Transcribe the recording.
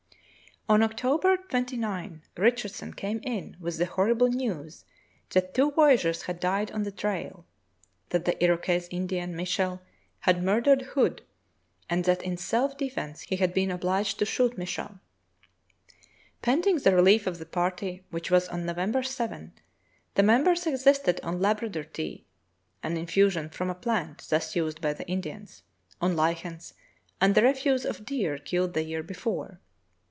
" On October 29 Richardson came in with the horrible news that two voyageurs had died on the trail, that the Iroquois Indian, Michel, had murdered Hood, and that in self defence he had been obliged to shoot Michel. Pending the relief of the party, which was on Novem ber 7, the members existed on Labrador tea (an in fusion from a plant thus used by the Indians), on lichens, and the refuse of deer killed the year before.